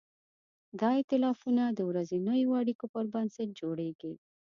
دا ایتلافونه د ورځنیو اړیکو پر بنسټ جوړېږي.